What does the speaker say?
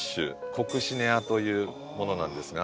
コクシネアというものなんですが。